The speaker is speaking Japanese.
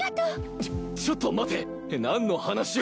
ちょちょっと待て何の話を。